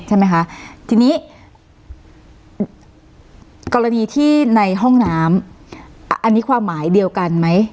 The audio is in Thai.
ใช่ไหมคะทีนี้กรณีที่ในห้องน้ำอันนี้ความหมายเดียวกันไหม